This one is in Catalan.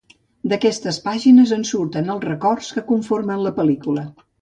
D’aquestes pàgines en surten els records que conformen la pel·lícula.